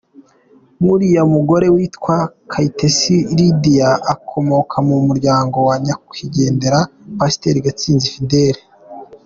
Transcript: Nk’uriya mugore witwa Kayitesi Lydie, akomoka mu muryango wa nyakwigendera Pasteur Gatsinzi Fidèle.